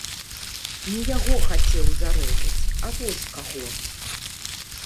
Не яго хацеў зарэзаць, а вось каго.